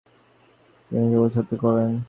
তিনি সব সময় উৎসাহিত করতেন।